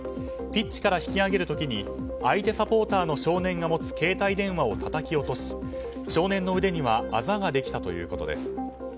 ピッチから引き上げる時に相手サポーターの少年が持つ携帯電話をたたき落とし少年の腕にはあざができたということです。